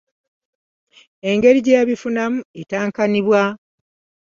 Engeri gye yabifunamu etankanibwa.